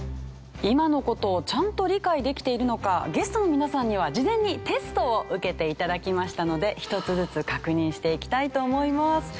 今の事をちゃんと理解できているのかゲストの皆さんには事前にテストを受けて頂きましたので１つずつ確認していきたいと思います。